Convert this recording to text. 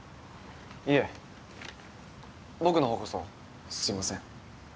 いえ、僕の方こそすいません。